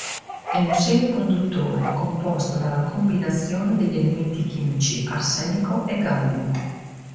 È un semiconduttore composto dalla combinazione degli elementi chimici arsenico e gallio.